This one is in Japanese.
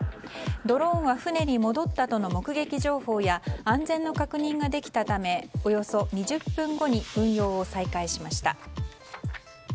ドローンは船に戻ったとの目撃情報や安全の確認ができたためおよそ２０分後に運用を再開しました。